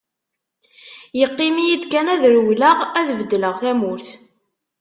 Yeqqim-iyi-d kan ad rewleɣ, ad beddleɣ tamurt.